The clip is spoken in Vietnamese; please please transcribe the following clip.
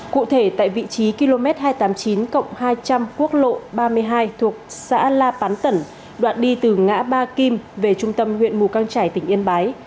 cụ thể tại vị trí km hai trăm tám mươi chín hai trăm linh quốc lộ ba mươi hai thuộc xã la pán tẩn đoạn đi từ ngã ba kim về trung tâm huyện mù căng trải tỉnh yên bái